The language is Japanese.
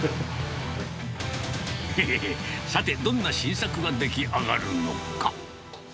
へへへ、さて、どんな新作が出来上がるのか。